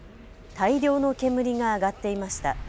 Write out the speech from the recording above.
大量の煙が上がっていました。